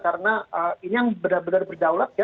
karena ini yang benar benar berdaulat ya